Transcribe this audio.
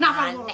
tahu dari mana